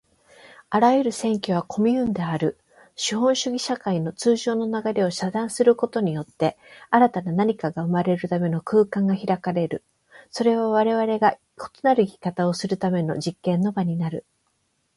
あらゆる占拠はコミューンである。資本主義社会の通常の流れを遮断することによって、新たな何かが生まれるための空間が開かれる。それはわれわれが異なる生き方をするための実験の場になる。